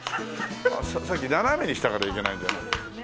さっき斜めにしたからいけないんだな。